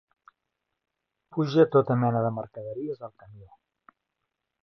Puja tota mena de mercaderies al camió.